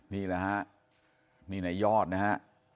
นี่แหละฮะนี่ในยอดนะฮะ